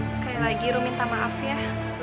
sekali lagi ru minta maaf ya